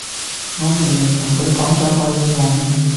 我明明同佢講咗我要用